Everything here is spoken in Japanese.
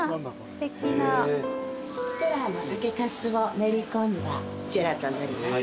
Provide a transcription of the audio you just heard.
すてらの酒粕を練り込んだジェラートになります。